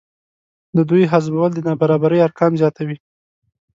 د دوی حذفول د نابرابرۍ ارقام زیاتوي